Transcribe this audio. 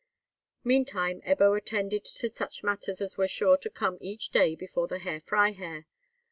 Meantime Ebbo attended to such matters as were sure to come each day before the Herr Freiherr.